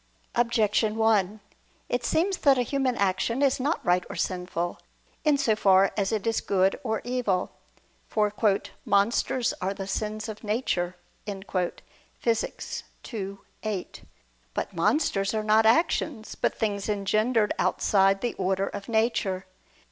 Objection 1: It seems that a human action is not right or sinful, in so far as it is good or evil. For "monsters are the sins of nature" (Phys. ii, 8). But monsters are not actions, but things engendered outside the order of nature.